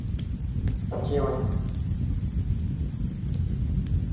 اڇي وڃ